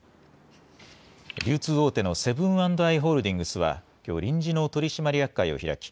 流通大手のセブン＆アイ・ホールディングスはきょう、臨時の取締役会を開き、